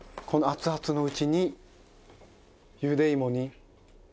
この熱々のうちにゆでいもに。